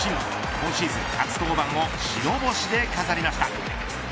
今シーズン初登板を白星で飾りました。